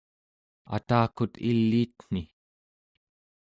atakut iliitni